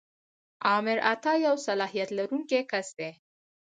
آمر اعطا یو صلاحیت لرونکی کس دی.